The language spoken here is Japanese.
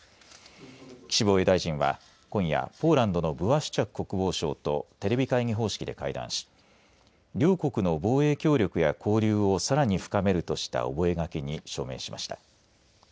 岸防衛大臣は今夜、ポーランドのブワシュチャク国防相とテレビ会議方式で会談し両国の防衛協力や交流をさらに深めるとした覚書に署名しました。